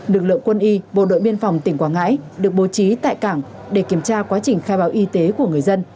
lực lượng quân y bộ đội biên phòng tỉnh quảng ngãi được bố trí tại cảng để kiểm tra quá trình khai báo y tế của người dân